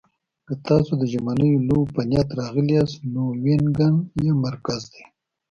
که تاسو د ژمنیو لوبو په نیت راغلي یاست، نو وینګن یې مرکز دی.